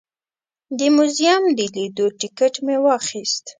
د موزیم د لیدو ټکټ مې واخیست.